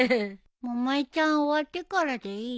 百恵ちゃん終わってからでいい？